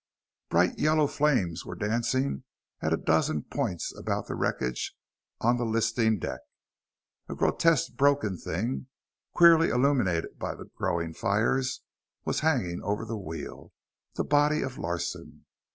Bright yellow flames were dancing at a dozen points about the wreckage on the listing deck. A grotesque broken thing, queerly illuminated by the growing fires, was hanging over the wheel the body of Larsen.